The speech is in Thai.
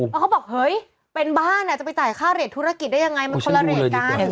แล้วเขาบอกเฮ้ยเป็นบ้านจะไปจ่ายค่าเหรียดธุรกิจได้ยังไงมันคนละเรทกัน